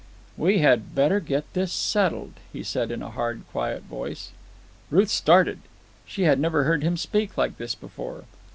"We had better get this settled," he said in a hard, quiet voice. Ruth started. She had never heard him speak like this before.